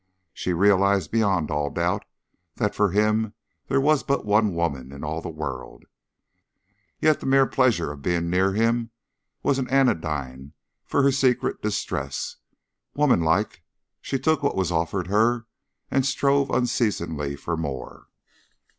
She realized beyond all doubt that for him there was but one woman in all the world, yet the mere pleasure of being near him was an anodyne for her secret distress. Womanlike, she took what was offered her and strove unceasingly for more.